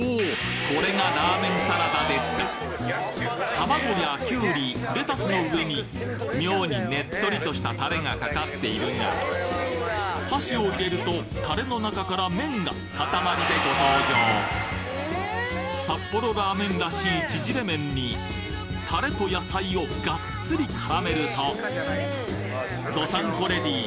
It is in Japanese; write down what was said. これがラーメンサラダですか卵やキュウリレタスの上に妙にねっとりとしたタレがかかっているが箸を入れるとタレの中から麺が塊でご登場札幌ラーメンらしい縮れ麺にタレと野菜をガッツリ絡めると道産子レディー